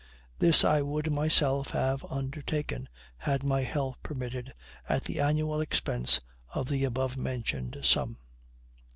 This I would myself have undertaken, had my health permitted, at the annual expense of the above mentioned sum.